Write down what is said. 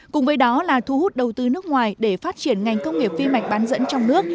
cùng với đó là thu hút đầu tư nước ngoài để phát triển ngành công nghiệp vi mạch bán dẫn trong nước